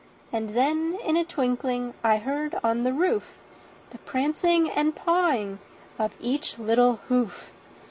And then in a twinkling I heard on the roof The prancing and pawing of each little hoof.